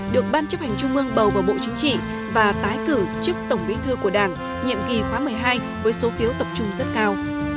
được ban chấp hành trung mương bầu vào bộ chính trị và tái cử chức tổng bí thư của đảng nhiệm kỳ khóa một mươi hai với số phiếu tập trung rất cao